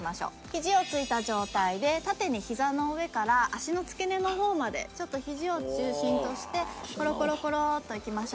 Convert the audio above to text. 肘をついた状態で縦に膝の上から足の付け根の方までちょっと肘を中心としてコロコロコロッといきましょう。